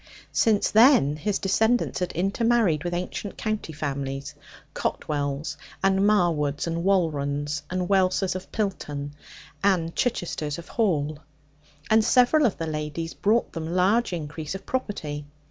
Since then his descendants had intermarried with ancient county families, Cottwells, and Marwoods, and Walronds, and Welses of Pylton, and Chichesters of Hall; and several of the ladies brought them large increase of property.